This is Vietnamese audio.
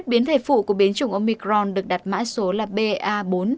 một biến thể phụ của biến chủng omicron được đặt mã số là ba bốn